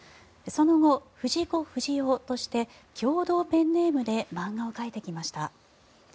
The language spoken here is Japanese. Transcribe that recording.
その後、藤子不二雄として共同ペンネームで漫画を描いてきました。